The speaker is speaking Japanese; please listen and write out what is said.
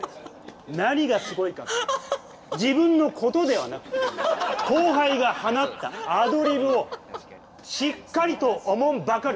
何がすごいかって自分のことではなく後輩が放ったアドリブをしっかりとおもんぱかる。